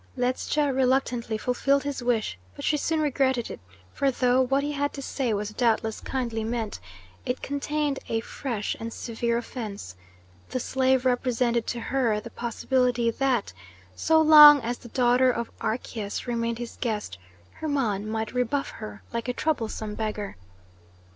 Ledscha reluctantly fulfilled his wish, but she soon regretted it, for though what he had to say was doubtless kindly meant, it contained a fresh and severe offence: the slave represented to her the possibility that, so long as the daughter of Archias remained his guest, Hermon might rebuff her like a troublesome beggar.